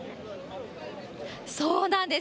そうなんです。